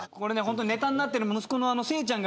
ネタになってる息子のせいちゃん